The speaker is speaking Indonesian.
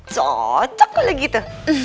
cocok lah gitu